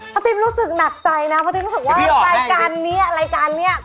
พระติมรู้สึกหนักใจนะพระติมรู้สึกว่ารายการนี้